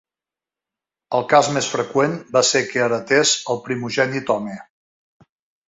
El cas més freqüent va ser que heretés el primogènit home.